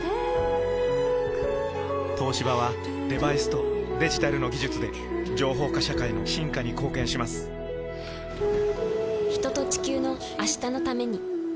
東芝はデバイスとデジタルの技術で情報化社会の進化に貢献します人と、地球の、明日のために。